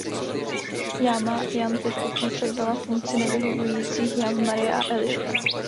Jáma Jan postupně převzala funkci nevyhovujících jam Marie a Eliška.